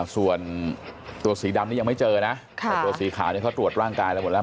ส่วนตัวสีดำนี้ยังไม่เจอนะแต่ตัวสีขาวเขาตรวจร่างกายแล้วหมดแล้ว